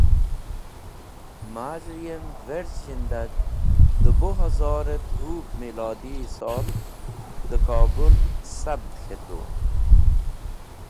Maz̃he yem verz zhindag dẽ bu hazor et hũb milodi sol dẽ Kobũl sabt k̃hetu.